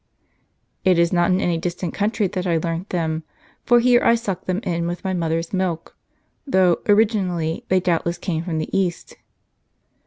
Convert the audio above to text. " It is not in any distant country that I learnt them ; for here I sucked them in with my mother's milk ; though, orig inally, they doubtless came from the East."